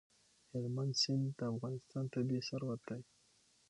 هلمند سیند د افغانستان طبعي ثروت دی.